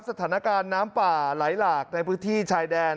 สถานการณ์น้ำป่าไหลหลากในพื้นที่ชายแดน